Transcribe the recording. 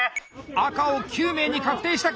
赤を９名に確定したか？